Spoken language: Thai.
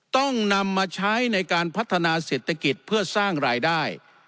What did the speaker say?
ต้องนำมาใช้ในการพัฒนาเศรษฐกิจเพื่อสร้างรายได้